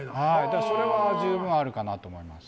それは十分あるかなと思います。